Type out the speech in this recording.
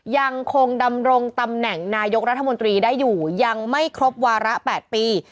ยังคงดำรงตำแหน่งนายกรัฐมนตรีได้อยู่ยังไม่ครบวาระ๘ปี